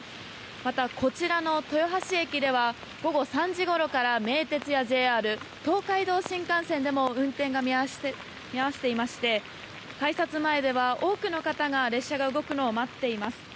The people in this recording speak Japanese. また、こちらの豊橋駅では午後３時ごろから名鉄やＪＲ、東海道新幹線でも運転を見合わせていまして改札前では多くの方が列車が動くのを待っています。